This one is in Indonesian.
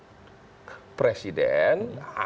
namun demikian karena presiden menjadi calon presiden